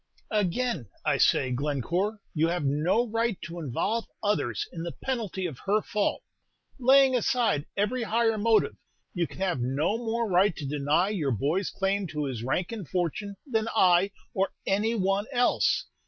"Again, I say, Glencore, you have no right to involve others in the penalty of her fault. Laying aside every higher motive, you can have no more right to deny your boy's claim to his rank and fortune than I or any one else.